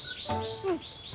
うん。